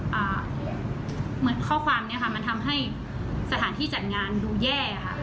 เหมือนข้อความเนี้ยค่ะมันทำให้สถานที่จัดงานดูแย่ค่ะ